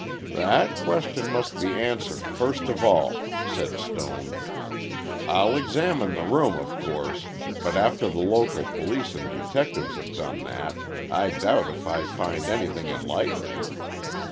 "That question must be answered first of all," said Stone. "I'll examine the room, of course, but after the local police and detectives have done that, I doubt if I find anything enlightening.